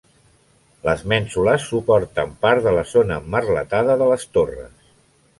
Les mènsules suporten part de la zona emmerletada de les torres.